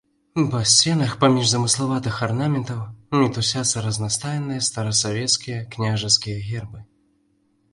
Па сценах, паміж замыславатых арнаментаў, мітусяцца разнастайныя старасвецкія княжацкія гербы.